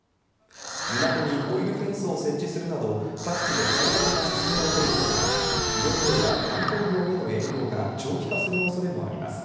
港にオイルフェンスを設置するなど、各地で対策が進められていますが、漁業や観光業への影響が長期化するおそれもあります。